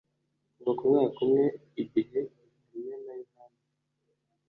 kuva ku mwaka umwe igihe mariya na yohani